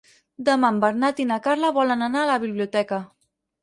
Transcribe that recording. Demà en Bernat i na Carla volen anar a la biblioteca.